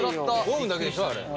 ５分だけでしょあれ。